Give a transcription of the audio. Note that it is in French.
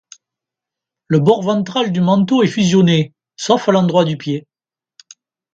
Le bord ventral du manteau est fusionné, sauf à l'endroit du pied.